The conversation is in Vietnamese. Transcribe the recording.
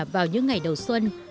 vào những ngày đầu xuân